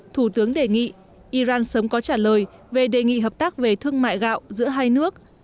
thủ tướng đề nghị iran sớm có trả lời về đề nghị hợp tác về thương mại gạo giữa hai nước